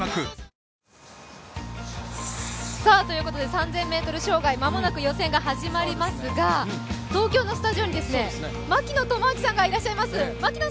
３０００ｍ障害間もなく予選が始まりますが東京のスタジオに槙野智章さんがいらっしゃいます。